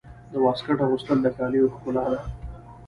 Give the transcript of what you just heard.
د واسکټ اغوستل د کالیو ښکلا ده.